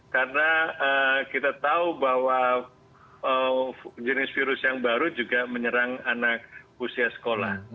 karena kita tahu bahwa jenis virus yang baru juga menyerang anak usia sekolah